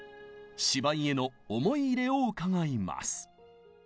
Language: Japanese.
芝居への思い入れを伺います。